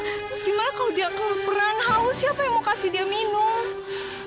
terus gimana kalau dia kelaperan haus siapa yang mau kasih dia minum